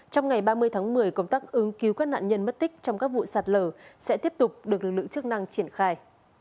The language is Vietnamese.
trong ngày ba mươi tháng một mươi công tác ứng cứu các nạn nhân mất tích trong các vụ sạt lở sẽ tiếp tục được lực lượng chức năng triển khai